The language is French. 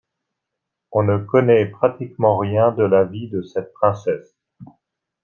On ne connaît pratiquement rien de la vie de cette princesse.